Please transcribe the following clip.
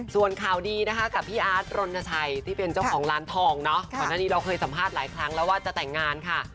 ส่วนข่าวดีนะคะกับพี่อาร์ดรณชัยที่เป็นเจ้าของร้านทองเนาะก่อนหน้านี้เราเคยสัมภาษณ์หลายครั้งแล้วว่าจะแต่งงานค่ะ